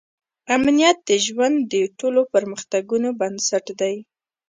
امنیت د ژوند د ټولو پرمختګونو بنسټ دی.